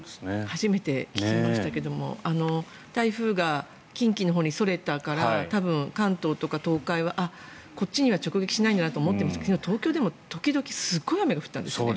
初めて聞きましたが台風が近畿のほうにそれたから多分、関東とか東海はこっちには直撃しないんだなと思っていましたけど昨日は東京でも時々すごい雨が降ったんですよね。